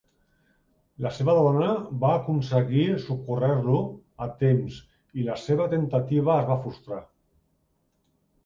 La seva dona va aconseguir socórrer-lo a temps i la seva temptativa es va frustrar.